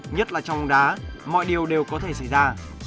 nhất là trong bóng đá mọi điều đều có thể xảy ra